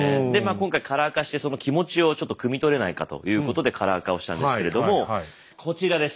今回カラー化して気持ちをくみ取れないかということでカラー化をしたんですけれどもこちらです。